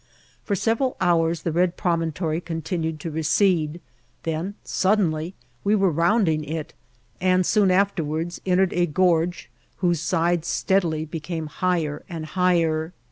For several hours the red promontory contin ued to recede, then suddenly we were rounding it, and soon afterwards entered a gorge whose sides steadily became higher and higher.